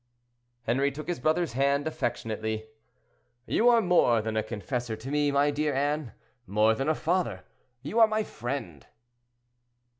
Henri took his brother's hand affectionately. "You are more than a confessor to me, my dear Anne—more than a father; you are my friend."